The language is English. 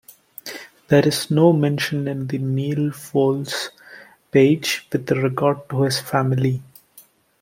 There is no mention in the Neal Foulds page with regard to his family.